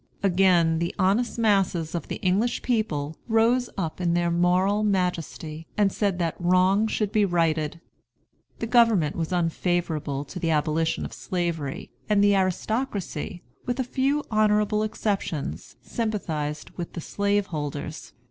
Again the honest masses of the English people rose up in their moral majesty and said that wrong should be righted. The government was unfavorable to the abolition of Slavery, and the aristocracy, with a few honorable exceptions, sympathized with the slaveholders.